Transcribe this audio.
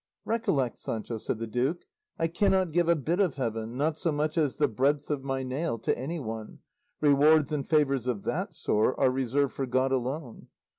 "Recollect, Sancho," said the duke, "I cannot give a bit of heaven, no not so much as the breadth of my nail, to anyone; rewards and favours of that sort are reserved for God alone.